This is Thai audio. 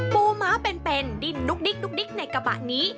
ม้าเป็นดิ้นดุ๊กดิ๊กในกระบะนี้